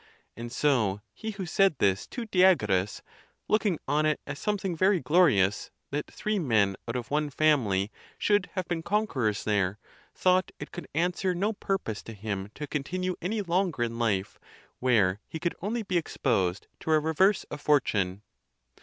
And so he who said this to Di agoras, looking on it as something very glorious, that three men out of one family should have been conquerors there, thought it could answer no purpose to him to continue any longer in life, where he could only be exposed to a re verse of fortune.